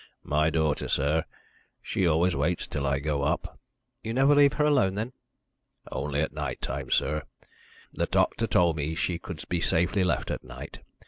"My daughter, sir. She always waits till I go up." "You never leave her alone, then?" "Only at night time, sir. The doctor told me she could be safely left at night.